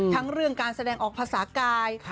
ทั้งเรื่องการแสดงออกภาษากาย